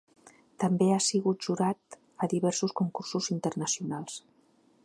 També ha sigut jurat a diversos concursos internacionals.